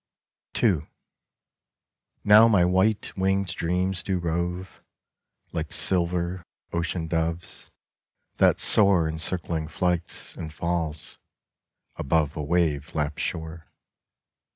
34 ARNOLD JAMES. II. NOW my white winged dreams do rove Like silver ocean doves, that soar In circling flights and falls, above A wave lapped shore.